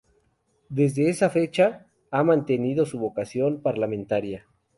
Desde esa fecha ha mantenido su vocación parlamentaria.